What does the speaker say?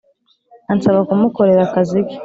Ansaba kumukorera akazi ke